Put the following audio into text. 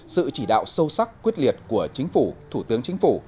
sự chỉ đạo sâu sắc quyết liệt của chính phủ thủ tướng chính phủ